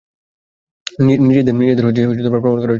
নিজেদের প্রমাণ করার সুযোগ।